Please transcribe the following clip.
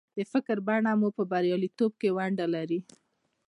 د فکر بڼه مو په برياليتوب کې ونډه لري.